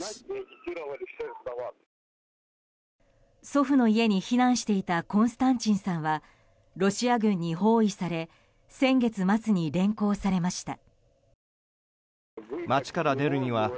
祖父の家に避難していたコンスタンチンさんはロシア軍に包囲され先月末に連行されました。